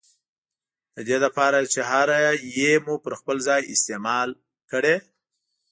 ددې له پاره چي هره ي مو پر خپل ځای استعمال کړې